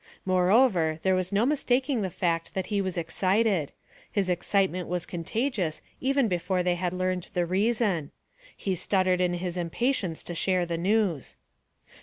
Moreover, there was no mistaking the fact that he was excited; his excitement was contagious even before they had learned the reason. He stuttered in his impatience to share the news.